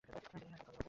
দীনেশ আসবে কবে?